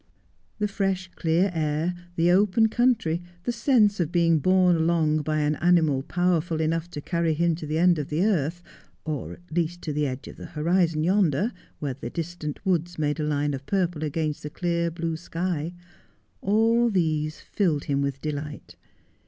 The fresh, clear air, the open country, the sense of being borne along by an animal powerful enough to carry him to the end of the earth, or at least to the edge of the horizon yonder, where the distant woods made a line of purple against the clear blue sky— all these filled him with delight.